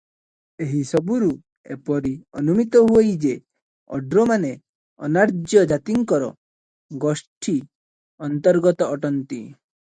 ଏହିସବୁରୁ ଏପରି ଅନୁମିତ ହୁଅଇ ଯେ ଓଡ୍ରମାନେ ଅନାର୍ଯ୍ୟ ଜାତିଙ୍କର ଗୋଷ୍ଠି ଅନ୍ତର୍ଗତ ଅଟନ୍ତି ।